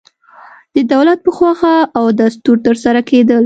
د دولت په خوښه او دستور ترسره کېدل.